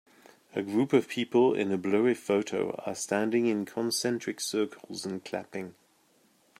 A group of people in a blurry photo are standing in concentric circles and clapping.